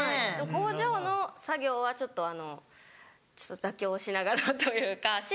工場の作業はちょっとあの妥協しながらというか。